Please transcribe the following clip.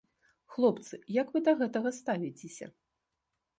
Хлопцы, як вы да гэтага ставіцеся?